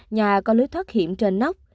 nhà có lưới thoát hiểm trên nóc